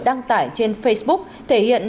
đăng tải trên facebook thể hiện